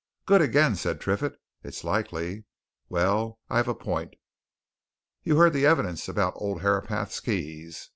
"Good again!" said Triffitt. "It's likely. Well, I've a point. You heard the evidence about old Herapath's keys?